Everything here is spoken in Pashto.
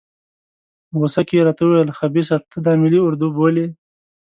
په غوسه کې یې راته وویل خبیثه ته دا ملي اراده بولې.